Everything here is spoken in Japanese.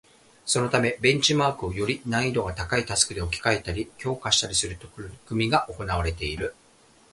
そのためベンチマークをより難易度が高いタスクで置き換えたり、強化したりする取り組みが行われている